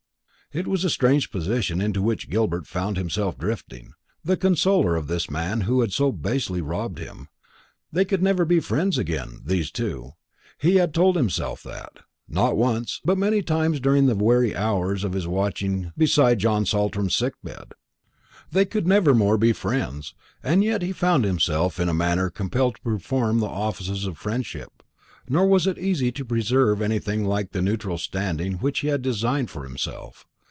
It was a strange position into which Gilbert found himself drifting; the consoler of this man who had so basely robbed him. They could never be friends again, these two; he had told himself that, not once, but many times during the weary hours of his watching beside John Saltram's sick bed. They could never more be friends; and yet he found himself in a manner compelled to perform the offices of friendship. Nor was it easy to preserve anything like the neutral standing which he had designed for himself.